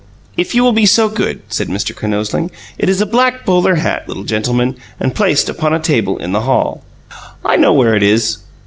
"If you will be so good," said Mr. Kinosling. "It is a black bowler hat, little gentleman, and placed upon a table in the hall." "I know where it is."